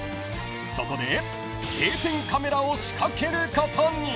［そこで定点カメラを仕掛けることに］